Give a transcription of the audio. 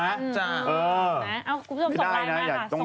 อ่ะส่งลายมาค่ะ